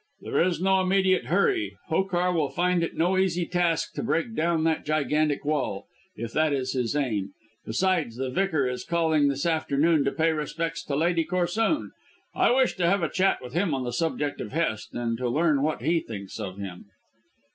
"There is no immediate hurry. Hokar will find it no easy task to break down that gigantic wall, if that is his aim. Besides, the Vicar is calling this afternoon to pay his respects to Lady Corsoon. I wish to have a chat with him on the subject of Hest, and to learn what he thinks of him."